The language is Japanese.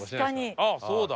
あっそうだ！